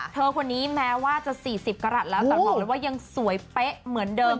คนนี้แม้ว่าจะ๔๐กรัฐแล้วแต่บอกเลยว่ายังสวยเป๊ะเหมือนเดิม